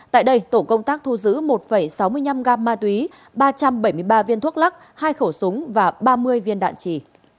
tại đây tổ công tác thu giữ một sáu mươi năm gam ma túy ba trăm bảy mươi ba viên thuốc lắc hai khẩu súng và ba mươi viên đạn trì